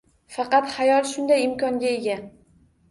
Faqat xayol shunday imkonga ega